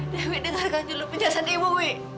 dewi dengarkan dulu penjelasan ibu w